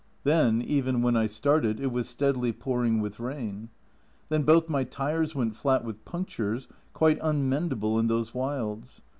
Then, even when I started, it was steadily pouring with rain. Then both my tyres went flat with punctures, quite unmendable in those wilds.